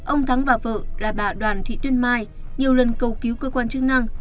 ông thắng và vợ là bà đoàn thị tuyên mai nhiều lần cầu cứu cơ quan chức năng